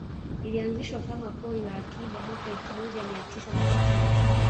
Ilianzishwa kama pori la akiba mwaka elfu moja mia tisa na sitini